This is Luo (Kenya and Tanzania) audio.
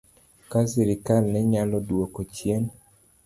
Ka sirkal ne nyalo dwoko chien